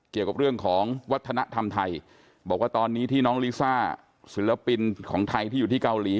เกี่ยวกับเรื่องของวัฒนธรรมไทยบอกว่าตอนนี้ที่น้องลิซ่าศิลปินของไทยที่อยู่ที่เกาหลี